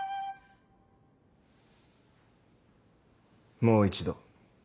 もう一度。